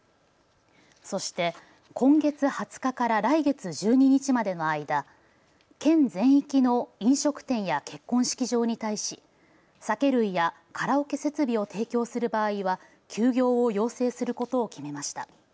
そして今月２０日から来月１２日までの間、県全域の飲食店や結婚式場に対し酒類やカラオケ設備を提供する場合は休業を要請することを決めました。